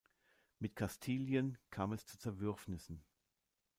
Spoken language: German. Mit Kastilien kam es zu Zerwürfnissen.